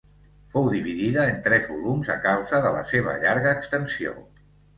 Fou dividida en tres volums a causa de la seva llarga extensió.